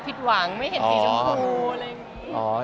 ผิดหวังไม่เห็นสีชมพูอะไรอย่างนี้